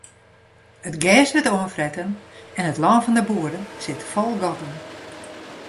It gers wurdt oanfretten en it lân fan de boeren sit fol gatten.